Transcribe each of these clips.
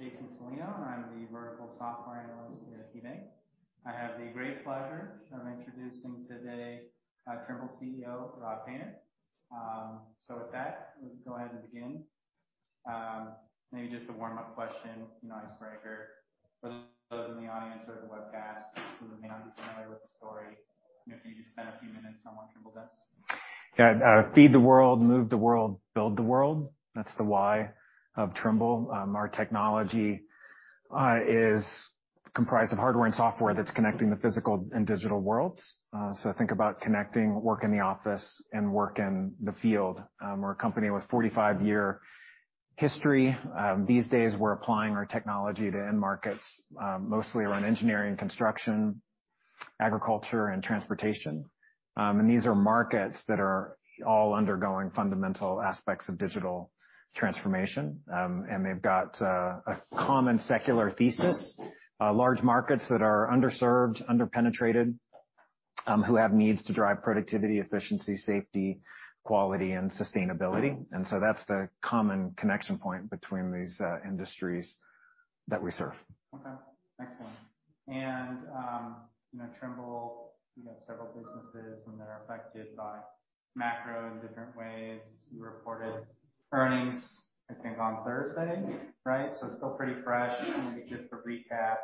My name is Jason Celino, and I'm the vertical software analyst at KeyBanc. I have the great pleasure of introducing today, Trimble's CEO, Rob Painter. With that, let's go ahead and begin. Maybe just a warm-up question, an icebreaker for those in the audience or the webcast who may not be familiar with the story. Can you just spend a few minutes on what Trimble does? Yeah, feed the world, move the world, build the world. That's the why of Trimble. Our technology is comprised of hardware and software that's connecting the physical and digital worlds. Think about connecting work in the office and work in the field. We're a company with 45-year history. These days, we're applying our technology to end markets, mostly around engineering and construction, agriculture, and transportation. These are markets that are all undergoing fundamental aspects of digital transformation. They've got a common secular thesis, large markets that are underserved, under-penetrated, who have needs to drive productivity, efficiency, safety, quality, and sustainability. That's the common connection point between these industries that we serve. Okay, excellent. You know, Trimble, you have several businesses, and they're affected by macro in different ways. You reported earnings, I think, on Thursday, right? It's still pretty fresh. Just to recap,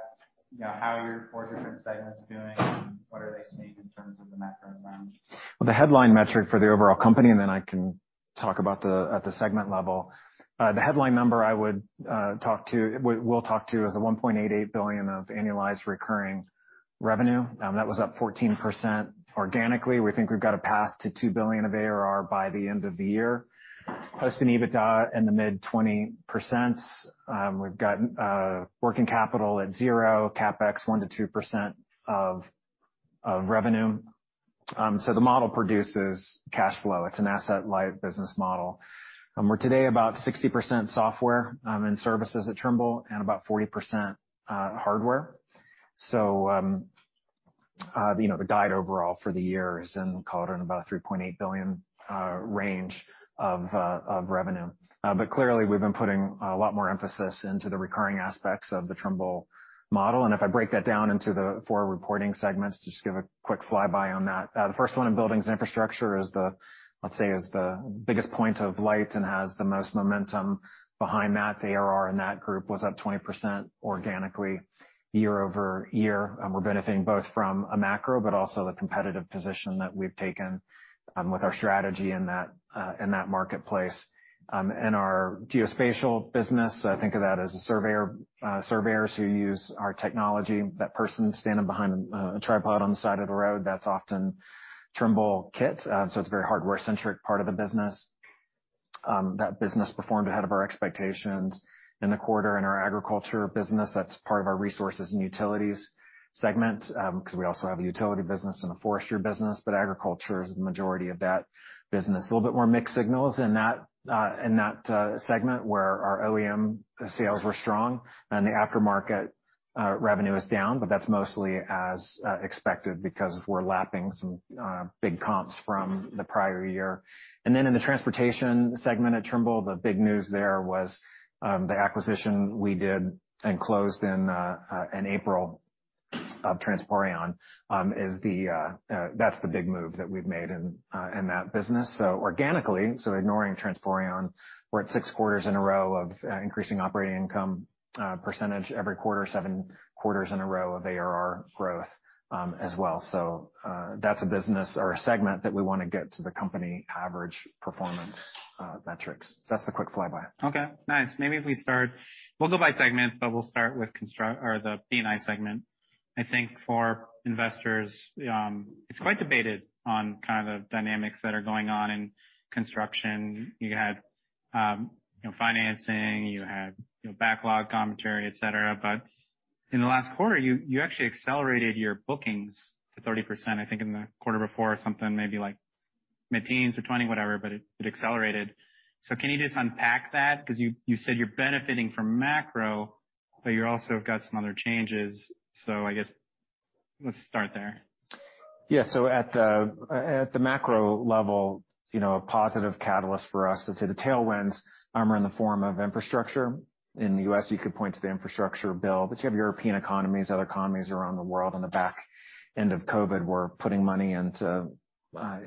you know, how are your four different segments doing, and what do they see in terms of the macro environment? Well, the headline metric for the overall company, and then I can talk about at the segment level. The headline number I would talk to, we'll talk to is the $1.88 billion of annualized recurring revenue. That was up 14% organically. We think we've got a path to 2 billion of ARR by the end of the year. Posting EBITDA in the mid-20s%. We've gotten working capital at zero, CapEx, 1%-2% of revenue. The model produces cash flow. It's an asset-light business model. We're today about 60% software and services at Trimble, and about 40% hardware. You know, the guide overall for the year is in, call it, in about 3.8 billion range of revenue. Clearly, we've been putting a lot more emphasis into the recurring aspects of the Trimble model. If I break that down into the four reporting segments, just give a quick flyby on that. The first one in Buildings and Infrastructure is the, let's say, is the biggest point of light and has the most momentum behind that. The ARR in that group was up 20% organically, year-over-year, and we're benefiting both from a macro, but also the competitive position that we've taken with our strategy in that in that marketplace. Our Geospatial business, I think of that as a surveyor, surveyors who use our technology, that person standing behind a, a tripod on the side of the road, that's often Trimble kit. It's a very hardware-centric part of the business. That business performed ahead of our expectations in the quarter, in our agriculture business, that's part of our Resources and Utilities segment, because we also have a utility business and a forestry business, but agriculture is the majority of that business. A little bit more mixed signals in that in that segment where our OEM sales were strong and the aftermarket revenue is down, but that's mostly as expected because we're lapping some big comps from the prior year. In the transportation segment at Trimble, the big news there was the acquisition we did and closed in April of Transporeon, is the that's the big move that we've made in that business. Organically, so ignoring Transporeon, we're at six quarters in a row of increasing operating income % every quarter, seven quarters in a row of ARR growth as well. That's a business or a segment that we want to get to the company average performance metrics. That's the quick flyby. Okay, nice. Maybe if we start, we'll go by segment, but we'll start with construct or the B&I segment. I think for investors, it's quite debated on kind of the dynamics that are going on in construction. You had, you know, financing, you had, you know, backlog commentary, et cetera, but in the last quarter, you, you actually accelerated your bookings to 30%, I think, in the quarter before, or something, maybe like mid-teens or 20, whatever, but it, it accelerated. Can you just unpack that? Because you, you said you're benefiting from macro, but you're also got some other changes. I guess let's start there. Yeah. At the, at the macro level, you know, a positive catalyst for us, let's say the tailwinds, are in the form of infrastructure. In the U.S., you could point to the infrastructure bill, you have European economies, other economies around the world. On the back end of COVID, we're putting money into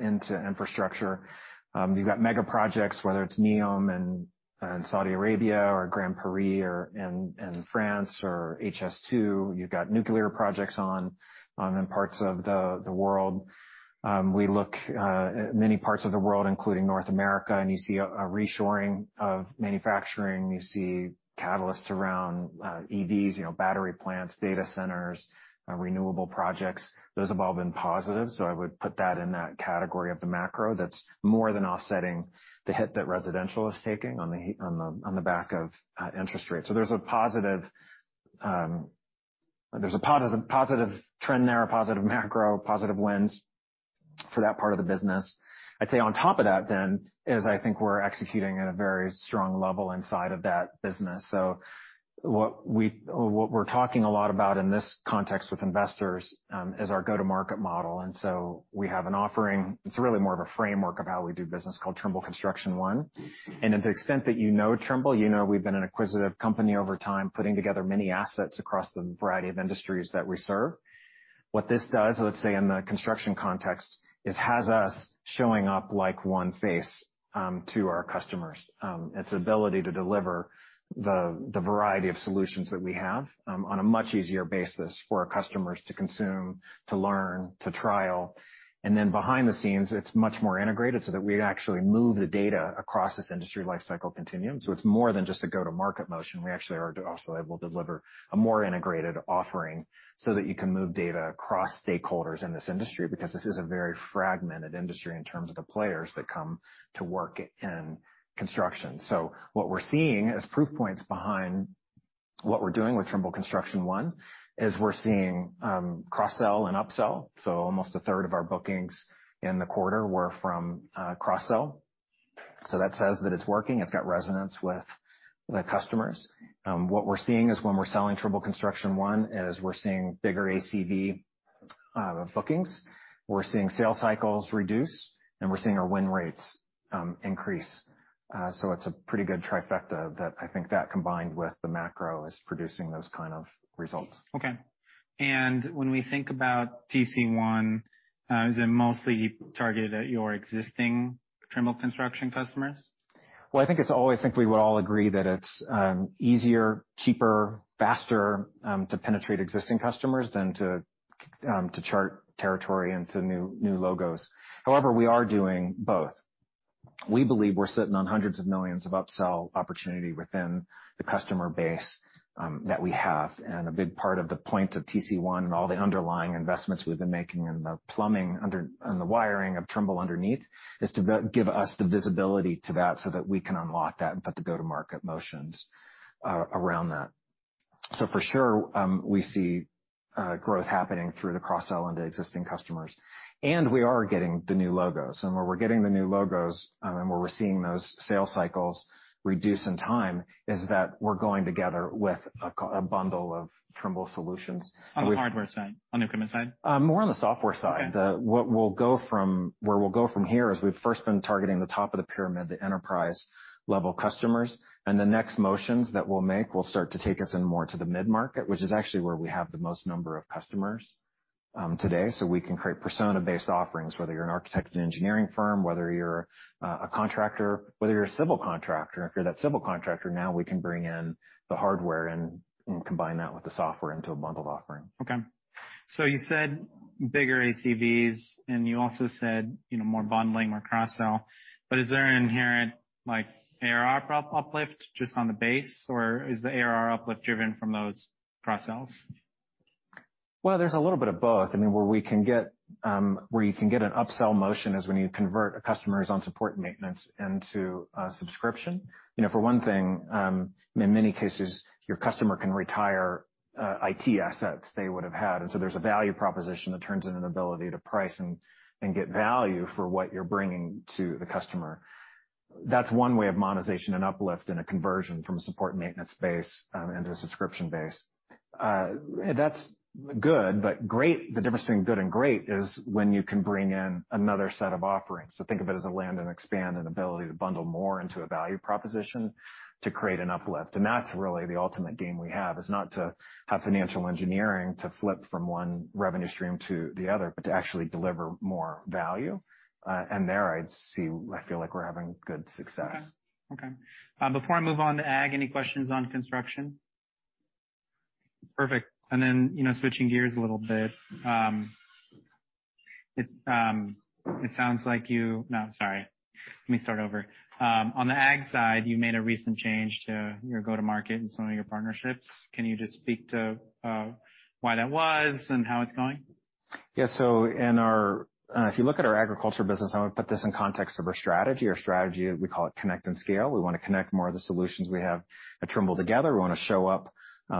infrastructure. You've got mega projects, whether it's NEOM in Saudi Arabia or Grand Paris or in France or HS2. You've got nuclear projects on in parts of the world. We look at many parts of the world, including North America, you see a reshoring of manufacturing. You see catalysts around EVs, you know, battery plants, data centers, renewable projects. Those have all been positive, I would put that in that category of the macro that's more than offsetting the hit that residential is taking on the, on the, on the back of interest rates. There's a positive, there's a positive trend there, a positive macro, positive winds. for that part of the business. I'd say on top of that, then, is I think we're executing at a very strong level inside of that business. What we, what we're talking a lot about in this context with investors, is our go-to-market model. We have an offering, it's really more of a framework of how we do business, called Trimble Construction One. To the extent that you know Trimble, you know we've been an acquisitive company over time, putting together many assets across the variety of industries that we serve. What this does, let's say in the construction context, is has us showing up like one face to our customers. Its ability to deliver the variety of solutions that we have on a much easier basis for our customers to consume, to learn, to trial. Then behind the scenes, it's much more integrated so that we actually move the data across this industry lifecycle continuum. It's more than just a go-to-market motion. We actually are also able to deliver a more integrated offering so that you can move data across stakeholders in this industry, because this is a very fragmented industry in terms of the players that come to work in construction. What we're seeing as proof points behind what we're doing with Trimble Construction One, is we're seeing cross-sell and upsell. Almost a third of our bookings in the quarter were from cross-sell. That says that it's working, it's got resonance with the customers. What we're seeing is when we're selling Trimble Construction One, is we're seeing bigger ACV bookings, we're seeing sales cycles reduce, and we're seeing our win rates increase. It's a pretty good trifecta that I think that, combined with the macro, is producing those kind of results. Okay. When we think about TC1, is it mostly targeted at your existing Trimble construction customers? I think it's always, think we would all agree that it's easier, cheaper, faster to penetrate existing customers than to chart territory into new, new logos. However, we are doing both. We believe we're sitting on hundreds of millions of upsell opportunity within the customer base that we have, and a big part of the point of TC1 and all the underlying investments we've been making in the plumbing under, and the wiring of Trimble underneath, is to give us the visibility to that so that we can unlock that and put the go-to-market motions around that. For sure, we see growth happening through the cross-sell into existing customers, and we are getting the new logos. Where we're getting the new logos, and where we're seeing those sales cycles reduce in time, is that we're going together with a bundle of Trimble solutions. On the hardware side, on the equipment side? More on the software side. Okay. What we'll go from here, is we've first been targeting the top of the pyramid, the enterprise-level customers. The next motions that we'll make will start to take us in more to the mid-market, which is actually where we have the most number of customers today. We can create persona-based offerings, whether you're an architect, an engineering firm, whether you're a contractor, whether you're a civil contractor. If you're that civil contractor, now we can bring in the hardware and combine that with the software into a bundled offering. Okay. You said bigger ACVs, and you also said, you know, more bundling, more cross-sell. Is there an inherent, like, ARR prop uplift just on the base, or is the ARR uplift driven from those cross-sells? Well, there's a little bit of both. I mean, where we can get, where you can get an upsell motion is when you convert a customers on support maintenance into a subscription. You know, for one thing, in many cases, your customer can retire IT assets they would have had, and so there's a value proposition that turns into an ability to price and get value for what you're bringing to the customer. That's one way of monetization and uplift in a conversion from a support maintenance base into a subscription base. That's good, but great, the difference between good and great is when you can bring in another set of offerings. Think of it as a land and expand, an ability to bundle more into a value proposition to create an uplift. That's really the ultimate game we have, is not to have financial engineering to flip from one revenue stream to the other, but to actually deliver more value. There, I'd see, I feel like we're having good success. Okay. Okay. Before I move on to ag, any questions on construction? Perfect. And then, you know, switching gears a little bit. No, sorry, let me start over. On the ag side, you made a recent change to your go-to-market and some of your partnerships. Can you just speak to, why that was and how it's going? Yeah. In our, if you look at our agriculture business, I would put this in context of our strategy. Our strategy, we call it Connect and Scale. We want to connect more of the solutions we have at Trimble together. We want to show up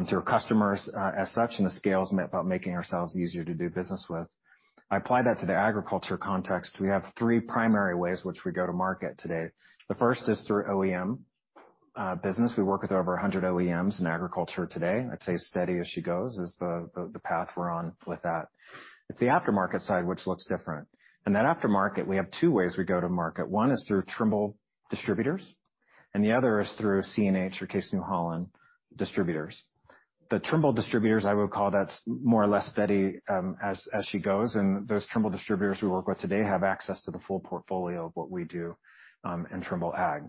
to our customers as such, and the scale is about making ourselves easier to do business with. I apply that to the agriculture context. We have three primary ways which we go to market today. The first is through OEM business. We work with over 100 OEMs in agriculture today. I'd say steady as she goes, is the path we're on with that. It's the aftermarket side, which looks different. In that aftermarket, we have two ways we go to market. One is through Trimble distributors, and the other is through CNH or Case New Holland distributors. The Trimble distributors, I would call that more or less steady, as, as she goes, and those Trimble distributors we work with today have access to the full portfolio of what we do, in Trimble ag.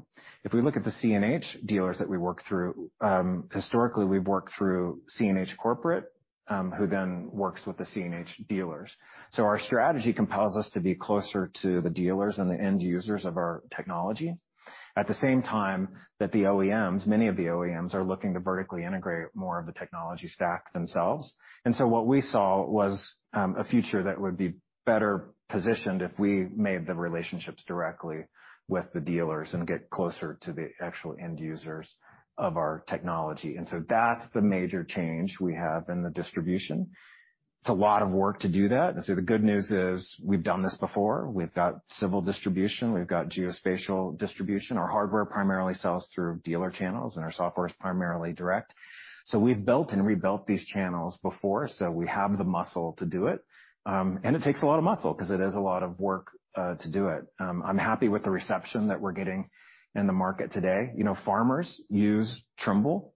If we look at the CNH dealers that we work through, historically, we've worked through CNH Corporate, who then works with the CNH dealers. Our strategy compels us to be closer to the dealers and the end users of our technology. At the same time that the OEMs, many of the OEMs are looking to vertically integrate more of the technology stack themselves. What we saw was, a future that would be better positioned if we made the relationships directly with the dealers and get closer to the actual end users of our technology. That's the major change we have in the distribution.... It's a lot of work to do that. The good news is, we've done this before. We've got civil distribution, we've got Geospatial distribution. Our hardware primarily sells through dealer channels, and our software is primarily direct. We've built and rebuilt these channels before, so we have the muscle to do it. It takes a lot of muscle 'cause it is a lot of work to do it. I'm happy with the reception that we're getting in the market today. You know, farmers use Trimble,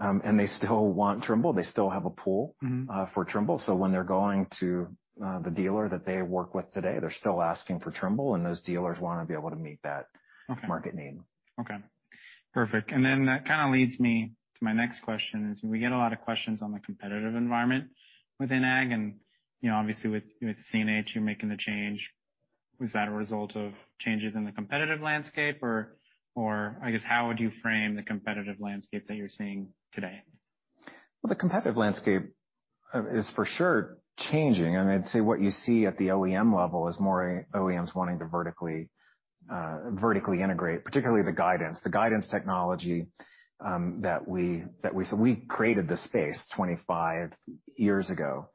and they still want Trimble. They still have a pull- Mm-hmm. for Trimble. When they're going to the dealer that they work with today, they're still asking for Trimble, and those dealers want to be able to meet that. Okay. market need. Okay, perfect. That kind of leads me to my next question is, we get a lot of questions on the competitive environment within ag, and, you know, obviously, with, with CNH, you're making the change. Was that a result of changes in the competitive landscape, or I guess, how would you frame the competitive landscape that you're seeing today? Well, the competitive landscape is for sure changing. I mean, I'd say what you see at the OEM level is more OEMs wanting to vertically integrate, particularly the guidance. The guidance technology that we... We created this space 25 years ago,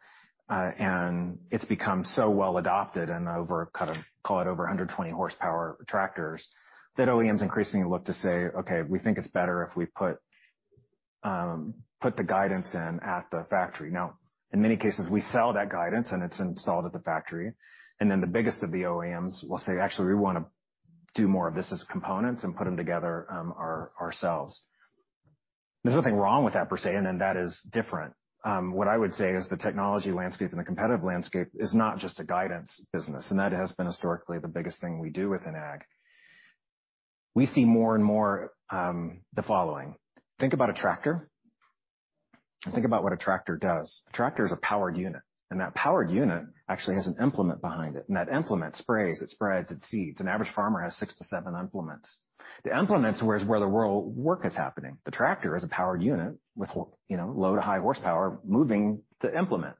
and it's become so well adopted and over, kind of, call it over 120 horsepower tractors, that OEMs increasingly look to say: Okay, we think it's better if we put the guidance in at the factory. Now, in many cases, we sell that guidance, and it's installed at the factory, and then the biggest of the OEMs will say, "Actually, we want to do more of this as components and put them together, ourselves." There's nothing wrong with that per se, and then that is different. What I would say is the technology landscape and the competitive landscape is not just a guidance business, and that has been historically the biggest thing we do within ag. We see more and more, the following: think about a tractor, and think about what a tractor does. A tractor is a powered unit, and that powered unit actually has an implement behind it, and that implement sprays, it spreads, it seeds. An average farmer has six-seven implements. The implements is where the world, work is happening. The tractor is a powered unit with, you know, low to high horsepower, moving the implement.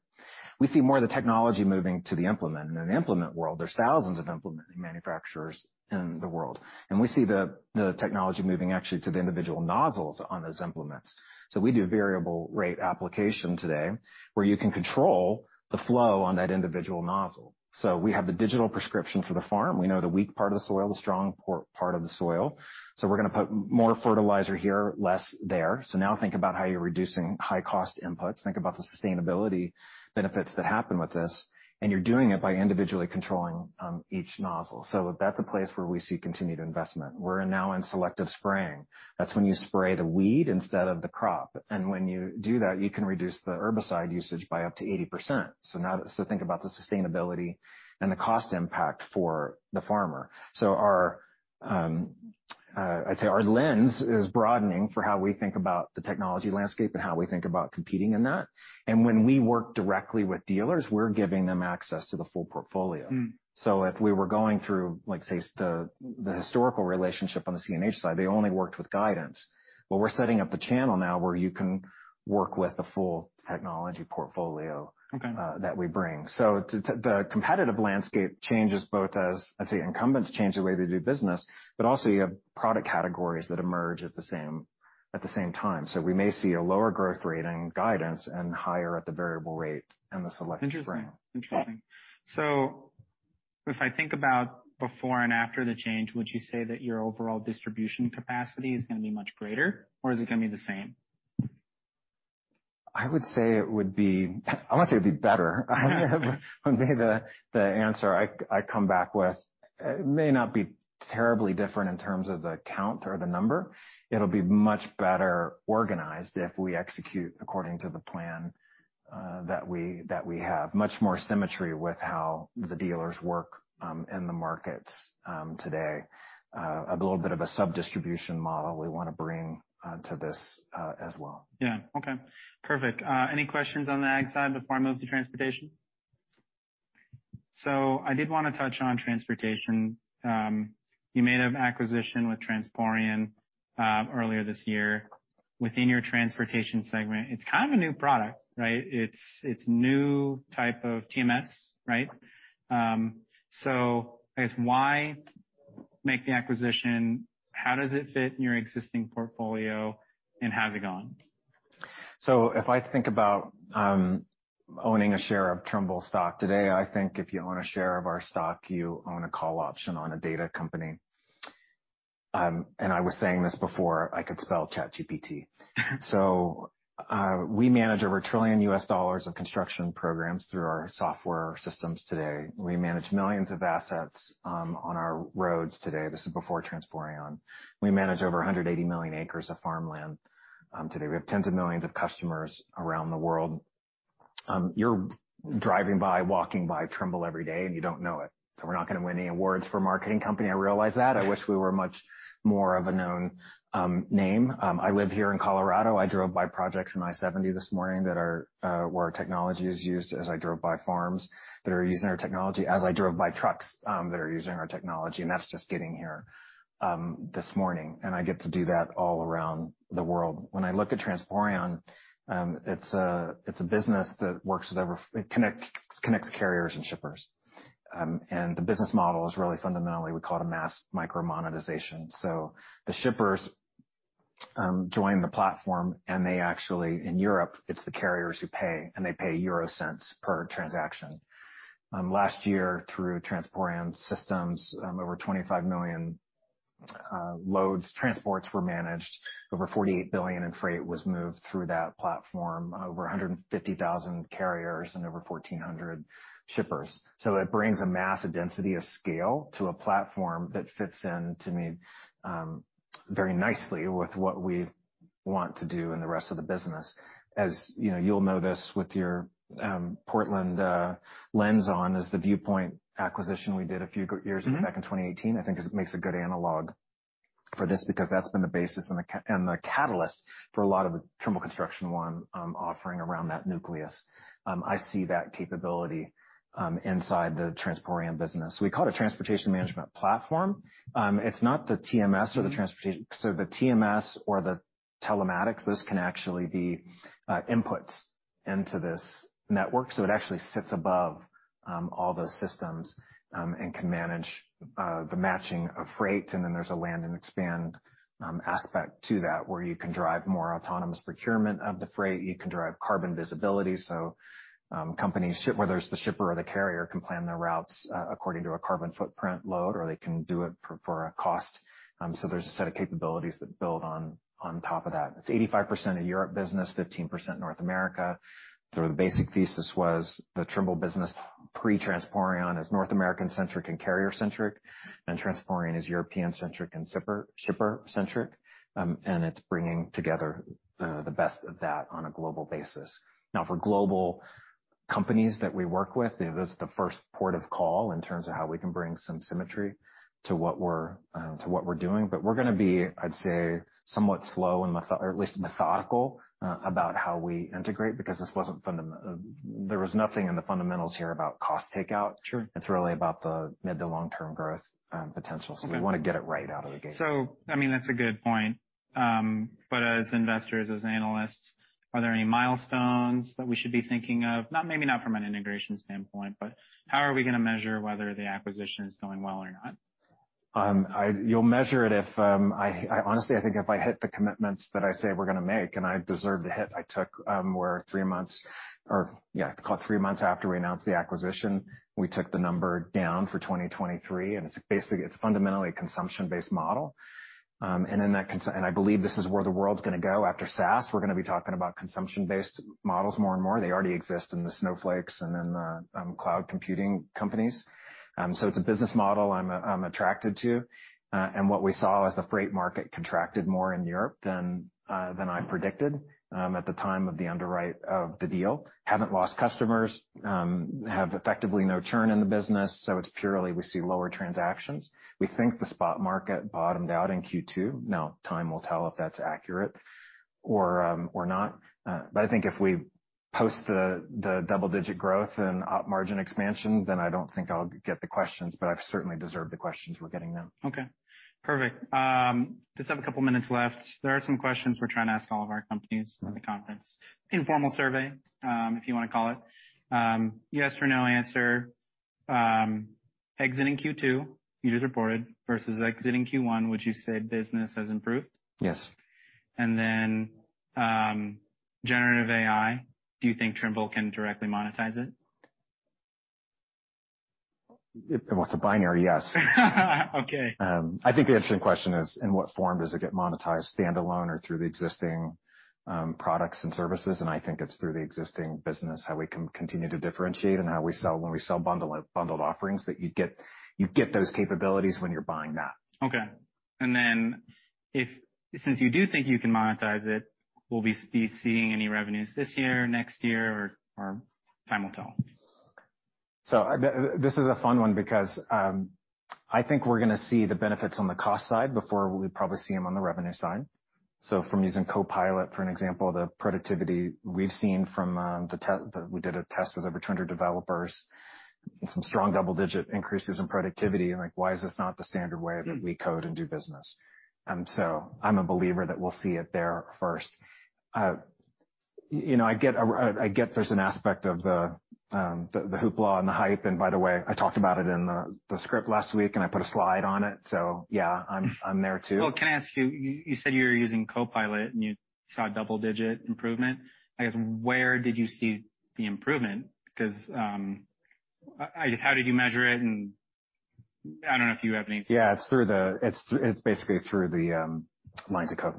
We see more of the technology moving to the implement. In an implement world, there's thousands of implement manufacturers in the world, and we see the technology moving actually to the individual nozzles on those implements. We do a variable rate application today, where you can control the flow on that individual nozzle. We have the digital prescription for the farm. We know the weak part of the soil, the strong part of the soil, we're going to put more fertilizer here, less there. Now think about how you're reducing high-cost inputs. Think about the sustainability benefits that happen with this, and you're doing it by individually controlling each nozzle. That's a place where we see continued investment. We're now in selective spraying. That's when you spray the weed instead of the crop, and when you do that, you can reduce the herbicide usage by up to 80%. Think about the sustainability and the cost impact for the farmer. Our, I'd say our lens is broadening for how we think about the technology landscape and how we think about competing in that. When we work directly with dealers, we're giving them access to the full portfolio. Mm. If we were going through, like, say, the, the historical relationship on the CNH side, they only worked with guidance. We're setting up a channel now where you can work with the full technology portfolio. Okay. that we bring. The, the competitive landscape changes both as, I'd say, incumbents change the way they do business, but also you have product categories that emerge at the same, at the same time. We may see a lower growth rate in guidance and higher at the variable rate and the select spraying. Interesting. Interesting. If I think about before and after the change, would you say that your overall distribution capacity is going to be much greater, or is it going to be the same? I would say it would be. I want to say it'd be better. Maybe the, the answer I, I come back with, it may not be terribly different in terms of the count or the number. It'll be much better organized if we execute according to the plan that we have. Much more symmetry with how the dealers work in the markets today. A little bit of a sub-distribution model we want to bring to this as well. Yeah. Okay, perfect. Any questions on the ag side before I move to transportation? I did want to touch on transportation. You made an acquisition with Transporeon earlier this year within your transportation segment. It's kind of a new product, right? It's, it's new type of TMS, right? I guess, why make the acquisition? How does it fit in your existing portfolio, and how's it going? If I think about owning a share of Trimble stock today, I think if you own a share of our stock, you own a call option on a data company. And I was saying this before, I could spell ChatGPT. We manage over $1 trillion of construction programs through our software systems today. We manage millions of assets on our roads today. This is before Transporeon. We manage over 180 million acres of farmland today. We have tens of millions of customers around the world. You're driving by, walking by Trimble every day, and you don't know it. We're not going to win any awards for marketing company, I realize that. I wish we were much more of a known name. I live here in Colorado. I drove by projects on I-70 this morning that are where our technology is used, as I drove by farms that are using our technology, as I drove by trucks that are using our technology, and that's just getting here this morning, and I get to do that all around the world. When I look at Transporeon, it's a business that connects carriers and shippers. The business model is really fundamentally, we call it a mass micro monetization. The shippers join the platform, and they actually, in Europe, it's the carriers who pay, and they pay EUR cents per transaction. Last year, through Transporeon systems, over 25 million loads, transports were managed. Over 48 billion in freight was moved through that platform, over 150,000 carriers and over 1,400 shippers. It brings a massive density of scale to a platform that fits in to me, very nicely with what we want to do in the rest of the business. As, you know, you'll know this with your Portland lens on, is the Viewpoint acquisition we did a few years ago, back in 2018, I think it makes a good analog for this, because that's been the basis and the catalyst for a lot of the Trimble Construction One offering around that nucleus. I see that capability inside the Transporeon business. We call it a transportation management platform. It's not the TMS or the transportation- so the TMS or the telematics, those can actually be inputs into this network, so it actually sits above all those systems and can manage the matching of freight, and then there's a land and expand aspect to that, where you can drive more autonomous procurement of the freight, you can drive carbon visibility. Companies, ship- whether it's the shipper or the carrier, can plan their routes according to a carbon footprint load, or they can do it for, for a cost. There's a set of capabilities that build on, on top of that. It's 85% a Europe business, 15% North America. The basic thesis was the Trimble business, pre-Transporeon, is North American-centric and carrier-centric, and Transporeon is European-centric and shipper, shipper-centric. It's bringing together the best of that on a global basis. Now, for global companies that we work with, this is the first port of call in terms of how we can bring some symmetry to what we're to what we're doing. We're going to be, I'd say, somewhat slow and methodical about how we integrate, because this wasn't fundamental. There was nothing in the fundamentals here about cost takeout. Sure. It's really about the mid to long-term growth, potential. Okay. We want to get it right out of the gate. I mean, that's a good point. As investors, as analysts, are there any milestones that we should be thinking of? Not, maybe not from an integration standpoint, but how are we going to measure whether the acquisition is going well or not? You'll measure it if... I, I honestly, I think if I hit the commitments that I say we're going to make, and I deserve to hit, I took, we're three months or, yeah, call it three months after we announced the acquisition, we took the number down for 2023, and it's basically, it's fundamentally a consumption-based model. I believe this is where the world's going to go after SaaS. We're going to be talking about consumption-based models more and more. They already exist in the Snowflake and in the cloud computing companies. It's a business model I'm, I'm attracted to. What we saw was the freight market contracted more in Europe than I predicted at the time of the underwrite of the deal. Haven't lost customers. Have effectively no churn in the business, so it's purely, we see lower transactions. We think the spot market bottomed out in Q2. Time will tell if that's accurate or not. I think if we post the double-digit growth and op margin expansion, then I don't think I'll get the questions, but I've certainly deserved the questions we're getting now. Okay, perfect. Just have a couple of minutes left. There are some questions we're trying to ask all of our companies in the conference. Informal survey, if you want to call it. Yes or no answer. Exiting Q2, you just reported, versus exiting Q1, would you say business has improved? Yes. Then, generative AI, do you think Trimble can directly monetize it? Well, it's a binary yes. Okay. I think the interesting question is, in what form does it get monetized, standalone or through the existing products and services? I think it's through the existing business, how we continue to differentiate and how we sell when we sell bundle, bundled offerings, that you get, you get those capabilities when you're buying that. Okay. Then if, since you do think you can monetize it, will we be seeing any revenues this year, next year, or, or time will tell? This is a fun one because I think we're going to see the benefits on the cost side before we probably see them on the revenue side. From using Copilot, for an example, the productivity we've seen from we did a test with over 200 developers, some strong double-digit increases in productivity, and like, why is this not the standard way that we code and do business? I'm a believer that we'll see it there first. You know, I get, I, I get there's an aspect of the, the hoopla and the hype, and by the way, I talked about it in the, the script last week, and I put a slide on it, yeah, I'm, I'm there too. Can I ask you, you, you said you were using Copilot, and you saw a double-digit improvement. I guess, where did you see the improvement? Just how did you measure it, and I don't know if you have any- Yeah, it's through the, it's, it's basically through the lines of code.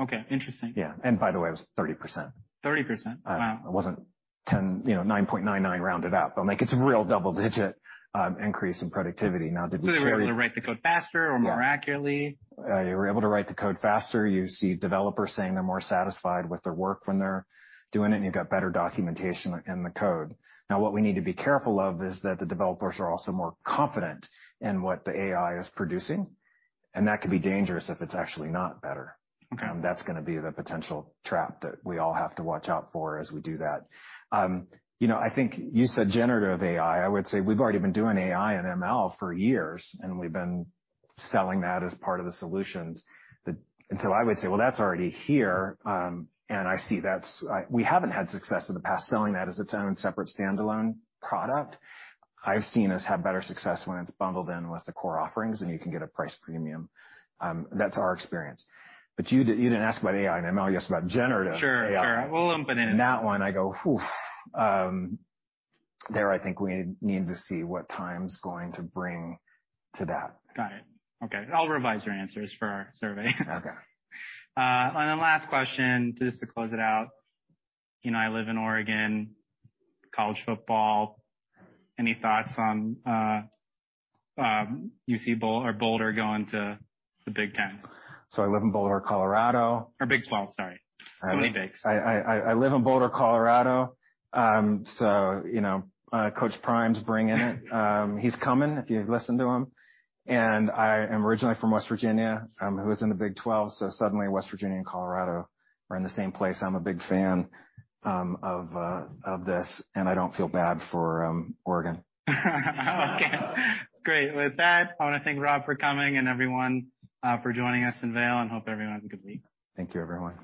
Okay, interesting. Yeah. By the way, it was 30%. 30%? Wow. It wasn't 10, you know, 9.99, round it up. Like, it's a real double-digit increase in productivity. Now, did we- They were able to write the code faster or more accurately? You were able to write the code faster. You see developers saying they're more satisfied with their work when they're doing it, and you've got better documentation in the code. Now, what we need to be careful of is that the developers are also more confident in what the AI is producing, and that could be dangerous if it's actually not better. Okay. That's going to be the potential trap that we all have to watch out for as we do that. You know, I think you said generative AI. I would say we've already been doing AI and ML for years, and we've been selling that as part of the solutions. I would say, well, that's already here, and I see that's... We haven't had success in the past, selling that as its own separate standalone product. I've seen us have better success when it's bundled in with the core offerings, and you can get a price premium. That's our experience. You didn't ask about AI and ML, you asked about generative. Sure, sure. We'll lump it in. That one, I go, oof! There, I think we need to see what time's going to bring to that. Got it. Okay. I'll revise your answers for our survey. Okay. Last question, just to close it out: You know, I live in Oregon, college football. Any thoughts on CU Boulder or Boulder going to the Big 12? I live in Boulder, Colorado. Big 12, sorry. How many Bigs? I, I, I live in Boulder, Colorado. You know, Coach Prime's bringing it. He's coming, if you listen to him, and I am originally from West Virginia, who is in the Big 12, suddenly West Virginia and Colorado are in the same place. I'm a big fan, of, of this, and I don't feel bad for, Oregon. Okay, great. With that, I want to thank Rob for coming and everyone, for joining us in Vail, and hope everyone has a good week. Thank you, everyone.